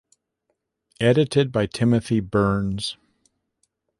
Edited by Timothy Burns.